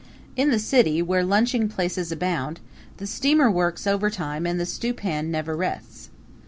In the City, where lunching places abound, the steamer works overtime and the stewpan never rests.